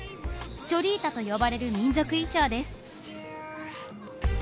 チョリータと呼ばれる民族衣装です。